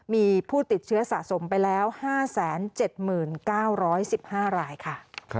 มีผู้ติดเชื้อสะสมไปแล้ว๕๗๙๑๕รายค่ะ